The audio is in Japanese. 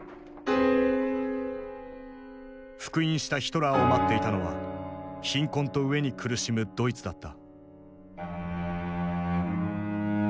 復員したヒトラーを待っていたのは貧困と飢えに苦しむドイツだった。